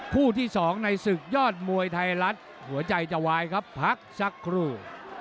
คู่ที่๒ในศึกยอดมวยไทยรัฐหัวใจจะวายครับพักสักครู่